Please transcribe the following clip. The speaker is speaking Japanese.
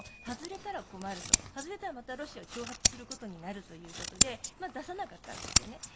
外れたらまたロシアを挑発することになるということで出さなかったんですよね。